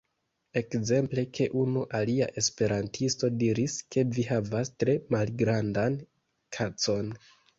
Ekzemple ke unu alia esperantisto diris ke vi havas tre malgrandan kacon.